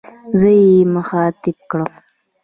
زه يې مخاطب کړم.